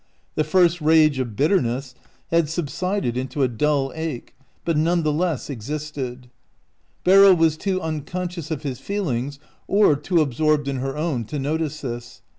The first rage of bitterness had subsided into a dull ache, but none the less existed. Beryl was too uncon scious of his feelings or too absorbed in her own to notice this.